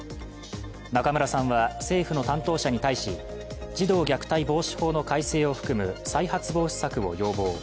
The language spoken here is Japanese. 中村さんは政府の担当者に対し児童虐待防止法の改正を含む再発防止策を要望。